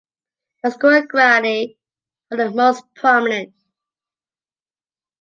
The Scuole Grandi were the most prominent.